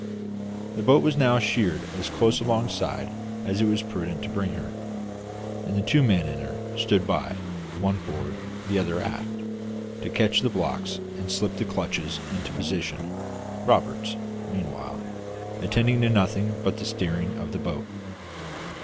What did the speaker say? The boat was now sheered as close alongside as it was prudent to bring her; and the two men in her stood by one forward, the other aft to catch the blocks and slip the clutches into position, Roberts, meanwhile, attending to nothing but the steering of the boat.